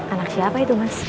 anak siapa itu mas